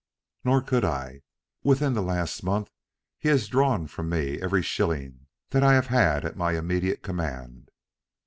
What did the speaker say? "Nor could I. Within the last month past he has drawn from me every shilling that I have had at my immediate command."